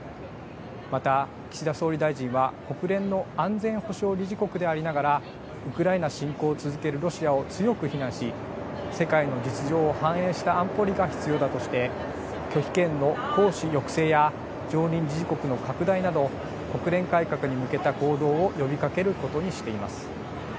また、岸田総理大臣は、国連の安全保障理事国でありながら、ウクライナ侵攻を続けるロシアを強く非難し、世界の実情を反映した安保理が必要だとして、拒否権の行使抑制や、常任理事国の拡大など、国連改革に向けた行動を呼びかけることにしています。